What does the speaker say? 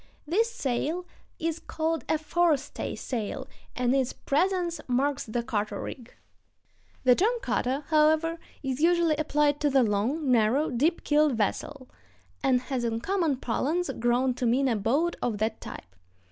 This sail is called a forestay sail, and its presence marks the cutter rig. The term "cutter," however, is usually applied to the long, narrow, deep keeled vessel, and has in common parlance grown to mean a boat of that type.